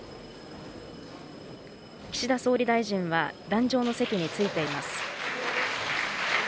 岸田総理大臣は、壇上の席に着いています。